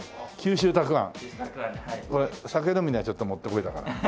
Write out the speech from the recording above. これ酒飲みにはちょっともってこいだから。